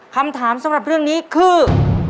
คำถามสำหรับเรื่องนี้คือ